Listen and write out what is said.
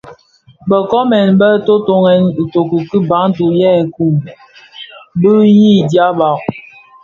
Bë nkoomèn bë tōtōghèn itoki ki bantu yè nkun, bë yii dyaba,